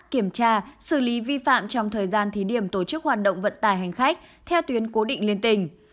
kiểm tra xử lý vi phạm trong thời gian thí điểm tổ chức hoạt động vận tải hành khách theo tuyến cố định liên tỉnh